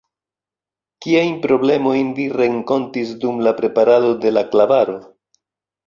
Kiajn problemojn vi renkontis dum la preparado de la klavaro?